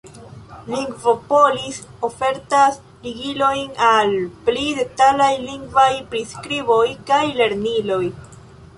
Lingvopolis ofertas ligilojn al pli detalaj lingvaj priskriboj kaj lerniloj.